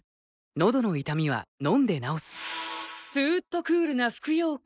のどの痛みは飲んで治すスーッとクールな服用感！